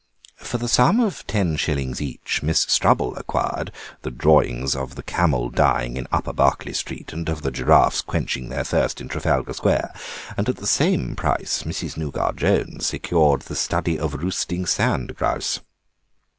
For the sum of ten shillings each Miss Strubble acquired the drawings of the camel dying in Upper Berkeley Street and of the giraffes quenching their thirst in Trafalgar Square; at the same price Mrs. Nougat Jones secured the study of roosting sand grouse.